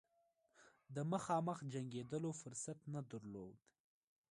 د مخامخ جنګېدلو فرصت نه درلود.